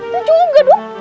lu juga dong